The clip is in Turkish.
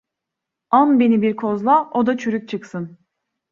An beni bir kozla, o da çürük çıksın.